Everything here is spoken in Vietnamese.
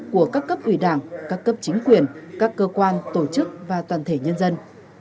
của các cấp ủy đảng các cấp chính quyền các cơ quan tổ chức và toàn thể nhân dân